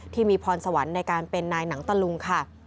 ที่มีพรสวรรค์ในการเป็นนายหนังตะลุงค่ะ